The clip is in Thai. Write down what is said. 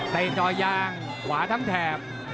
เตรียงต่อยางขวาทั้งแถบ